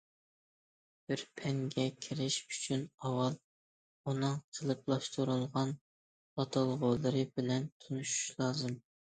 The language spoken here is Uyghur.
بىر پەنگە كىرىش ئۈچۈن ئاۋۋال ئۇنىڭ قېلىپلاشتۇرۇلغان ئاتالغۇلىرى بىلەن تونۇشۇش لازىم.